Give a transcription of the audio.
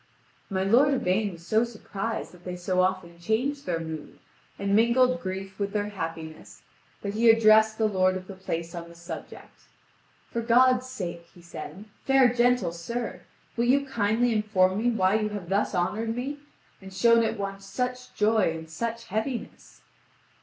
My lord Yvain was so surprised that they so often changed their mood, and mingled grief with their happiness, that he addressed the lord of the place on the subject. "For God's sake," he said, "fair gentle sir, will you kindly inform me why you have thus honoured me, and shown at once such joy and such heaviness?"